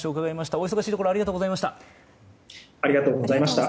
お忙しいところありがとうございました。